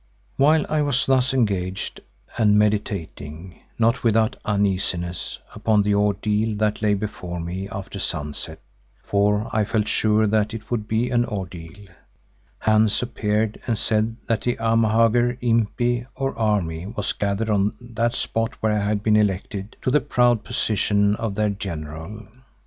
While I was thus engaged and meditating, not without uneasiness, upon the ordeal that lay before me after sunset, for I felt sure that it would be an ordeal, Hans appeared and said that the Amahagger impi or army was gathered on that spot where I had been elected to the proud position of their General.